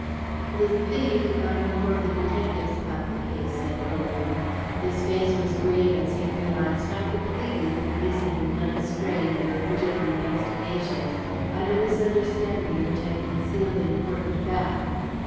"It is a pity you did not inform the detectives about the case," said Colwyn. His face was grave as he realized how completely the police had been led astray in their original investigations by the misunderstanding which had concealed an important fact.